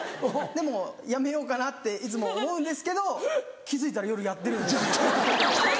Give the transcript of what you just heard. もうやめようかなっていつも思うんですけど気付いたら夜やってるんですよね。